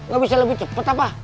gak bisa lebih cepat apa